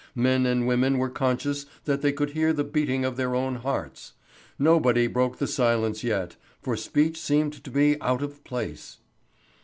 Men and women were conscious that they could hear the beating of their own hearts. Nobody broke the silence yet, for speech seemed to be out of place.